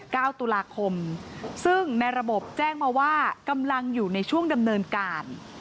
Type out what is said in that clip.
เก้าตุลาคมซึ่งในระบบแจ้งมาว่ากำลังอยู่ในช่วงดำเนินการ